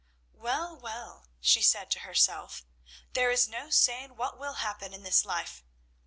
"Well, well," she said to herself, "there is no saying what will happen in this life.